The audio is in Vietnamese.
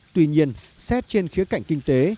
tuy nhiên xét trên khía cạnh kinh tế